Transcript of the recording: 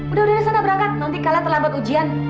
udah udah disana berangkat nanti kalian terlambat ujian